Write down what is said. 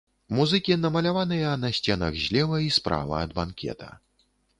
Музыкі намаляваныя на сценах злева і справа ад банкета.